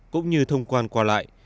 cũng như thông quan qua lại